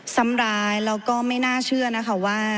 ซ้ำร้ายแล้วก็ไม่น่าเชื่อนะคะว่า